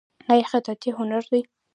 آیا خطاطي هنر دی؟